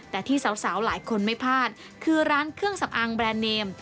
แต่ที่สาวหลายคนไม่พลาดคือร้านเครื่องสำอางแบรนด์เนม